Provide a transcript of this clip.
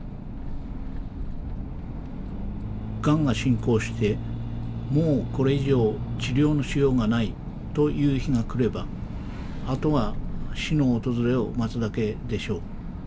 がんが進行してもうこれ以上治療のしようがないという日が来ればあとは死の訪れを待つだけでしょう。